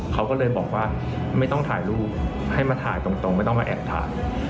เขาก็เลยบอกว่าไม่ต้องถ่ายรูปให้มาถ่ายตรงไม่ต้องมาแอบถ่าย